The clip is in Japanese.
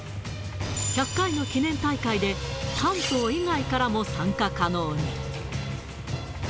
１００回の記念大会で、関東以外からも参加可能に。